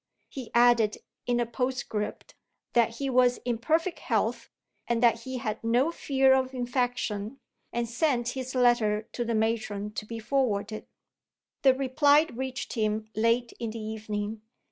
He added, in a postscript, that he was in perfect health, and that he had no fear of infection and sent his letter to the matron to be forwarded. The reply reached him late in the evening.